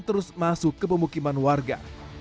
terus masuk ke pemukiman warga